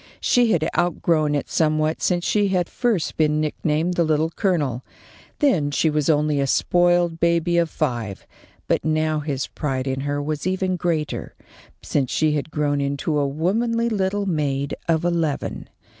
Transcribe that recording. She had outgrown it somewhat since she had first been nicknamed the Little Colonel. Then she was only a spoiled baby of five; but now his pride in her was even greater, since she had grown into a womanly little maid of eleven.